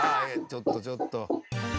ちょっとちょっと。